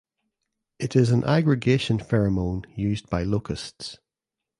It is an aggregation pheromone used by locusts.